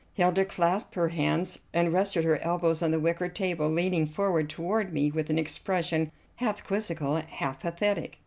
Hilda clasped her hands and rested her elbows on the wicker table, leaning forward toward me with an expression half quizzical, half pathetic.